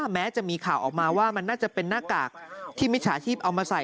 แม้จะมีข่าวออกมาว่ามันน่าจะเป็นหน้ากากที่มิจฉาชีพเอามาใส่